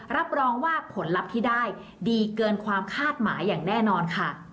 รับรองว่าผลลัพธ์ที่ได้ดีเกินความคาดหมายอย่างแน่นอนค่ะ